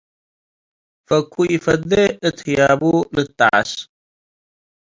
ፈኩ ኢፈዴ እት ህያቡ ልትጠዐስ።